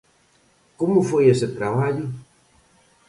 Como foi ese traballo?